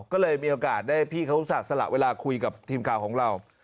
ก็เลยมีโอกาสได้พี่เขาอุตส่าสละเวลาคุยกับทีมข่าวของเรา